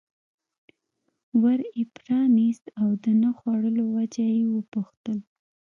ور یې پرانست او د نه خوړلو وجه یې وپوښتل.